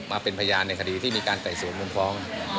มาเป็นพยานในคดีที่มีการไต่สวนมูลฟ้อง